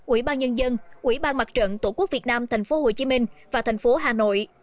ủy bang nhân dân ủy bang mặt trận tổ quốc việt nam thành phố hồ chí minh và thành phố hà nội